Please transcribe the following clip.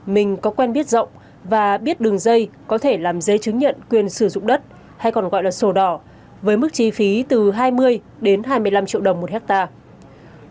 mình có quen biết rộng và biết đường dây có thể làm giấy chứng nhận quyền sử dụng đất hay còn gọi là sổ đỏ với mức chi phí từ hai mươi đến hai mươi năm triệu đồng một hectare